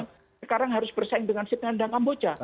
apakah kita sekarang harus bersaing dengan vietnam dan kamboja